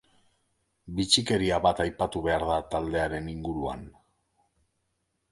Bitxikeria bat aipatu behar da taldearen inguruan.